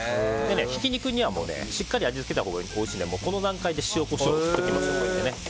ひき肉にはしっかり味付けたほうがおいしいのでこの段階で塩、コショウを振っておきます。